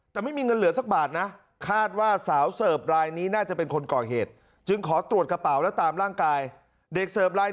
แต่ไม่มีเงินเหลือสักบาทนะคาดว่าสาวเสิร์ฟรายนี้น่าจะเป็นคนก่อเหตุจึงขอตรวจกระเป๋าและตามร่างกายเด็กเสิร์ฟลาย